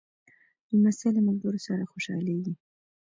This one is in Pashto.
لمسی له ملګرو سره خوشحالېږي.